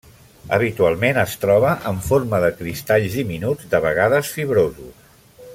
Habitualment es troba en forma de cristalls diminuts, de vegades fibrosos.